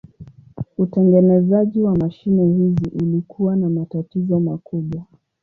Utengenezaji wa mashine hizi ulikuwa na matatizo makubwa.